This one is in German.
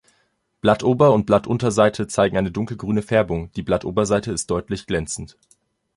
Blattober- und Blattunterseite zeigen eine dunkelgrüne Färbung, die Blattoberseite ist deutlich glänzend.